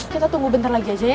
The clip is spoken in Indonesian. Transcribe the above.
kita tunggu bentar lagi aja ya